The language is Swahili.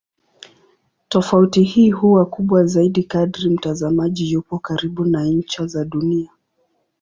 Tofauti hii huwa kubwa zaidi kadri mtazamaji yupo karibu na ncha za Dunia.